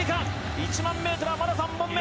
１００００ｍは、まだ３本目。